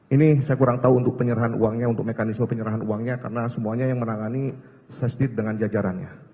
ini saya kurang tahu untuk penyerahan uangnya untuk mekanisme penyerahan uangnya karena semuanya yang menangani sesdit dengan jajarannya